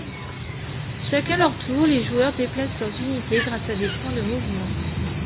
Chacun leur tour, les joueurs déplacent leurs unités grâce à des points de mouvement.